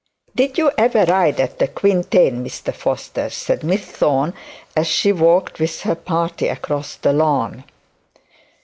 'Did you ever ride at the quintain, Mr Foster?' said Miss Thorne, as she walked with her party, across the lawn.